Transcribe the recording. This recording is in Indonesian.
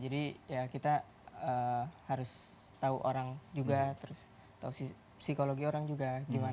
jadi ya kita harus tahu orang juga terus tahu psikologi orang juga